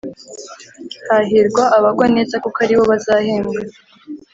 Hahirwa abagwa neza kuko aribo bazahembwa